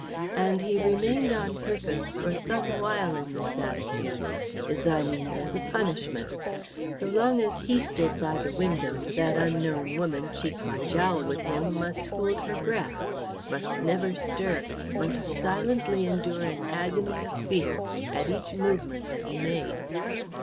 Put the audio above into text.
And he remained on purpose for some while in this attitude, designing it as a punishment. So long as he stood by the window that unknown woman cheek by jowl with him must hold her breath, must never stir, must silently endure an agony of fear at each movement that he made.